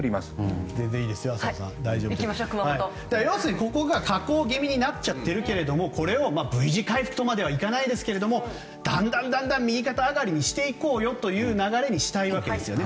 要するにここが下降気味になっちゃっているけどもこれをＶ字回復とまではいきませんがだんだん右肩上がりにしていこうよという流れにしていきたいわけですよね。